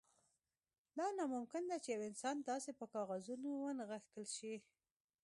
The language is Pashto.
دا ناممکن ده چې یو انسان داسې په کاغذونو ونغښتل شي